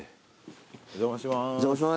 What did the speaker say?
お邪魔します。